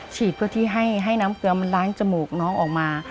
ฉีดเพื่อที่ให้น้ำเกลือมันล้างจมูกน้องออกมา